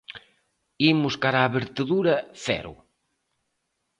Imos cara a vertedura cero.